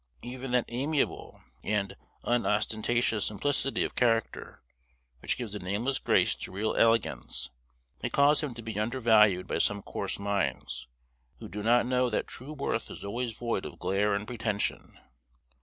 Even that amiable and unostentatious simplicity of character, which gives the nameless grace to real excellence, may cause him to be undervalued by some coarse minds, who do not know that true worth is always void of glare and pretension.